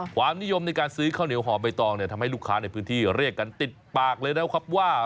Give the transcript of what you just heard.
ความนิยมในการซื้อข้าวเหนียวหอมใบตองเนี่ยทำให้ลูกค้าในพื้นที่เรียกกันติดปากเลยนะครับว่า